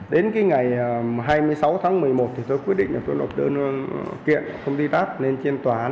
đến cái ngày hai mươi sáu tháng một mươi một thì tôi quyết định là tôi nộp đơn kiện công ty prap lên trên tòa án